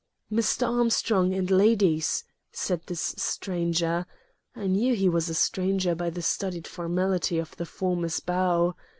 "Mr. Armstrong and ladies!" said this stranger (I knew he was a stranger by the studied formality of the former's bow).